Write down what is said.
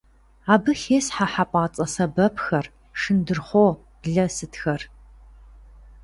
Абы хесхьэ хьэпӀацӀэ сэбэпхэр, шындырхъуо, блэ сытхэр.